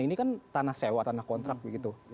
ini kan tanah sewa tanah kontrak begitu